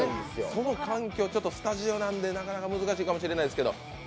その環境、スタジオなんでなかなか難しいかもしれないですけど。